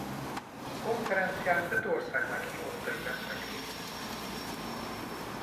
A konferencián öt ország meghívottai vettek részt.